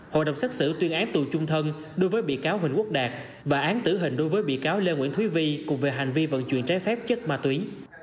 hội đồng xác xử tuyên án tù chung thân đối với bị cáo huỳnh quốc đạt và án tử hình đối với bị cáo lê nguyễn thúy vi cùng về hành vi vận chuyển trái phép chất ma túy